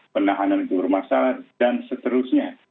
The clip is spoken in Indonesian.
penahanan itu bermasalah dan seterusnya